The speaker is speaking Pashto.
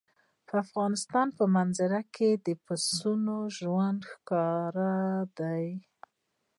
د افغانستان په منظره کې د پسونو شتون ښکاره دی.